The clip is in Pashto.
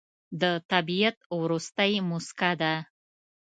د طبیعت وروستی موسکا ده